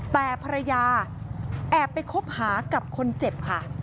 แต่ภรรยาแอบไปคบหากับคนเจ็บค่ะ